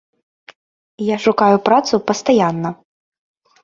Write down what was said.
Я шукаю працу пастаянна.